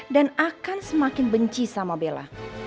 dan akan semakin benci sama bella